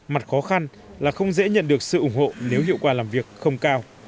mặt khó khăn là không dễ nhận được sự ủng hộ nếu hiệu quả làm việc không cao